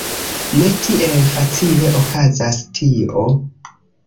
Ne tiel facile okazas tio!